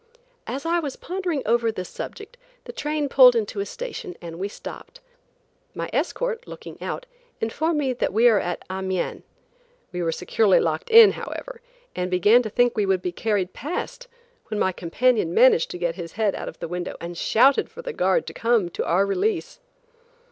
As I was pondering over this subject, the train pulled into a station and stopped. My escort looking out, informed me that we were at Amiens. We were securely locked in, however, and began to think that we would be carried past, when my companion managed to get his head out of the window and shouted for the guard to come to our release.